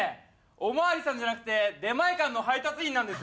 お巡りさんじゃなくて出前館の配達員なんですよ。